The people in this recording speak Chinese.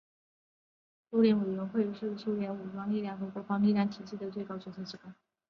苏联国防委员会是苏联武装力量和国防体系的最高决策机关。